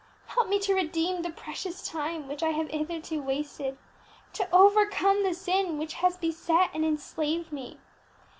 _ Help me to redeem the precious time which I have hitherto wasted, to overcome the sin which has beset and enslaved me!